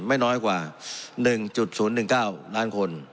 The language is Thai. ไม่น้อยกว่า๑๐๑๙ล้านคน